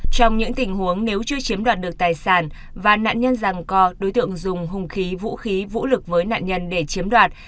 trong những tình huống nếu chưa chiếm đoạt được tài sản và nạn nhân rằng co đối tượng dùng hung khí vũ khí vũ lực với nạn nhân để chiếm đoạt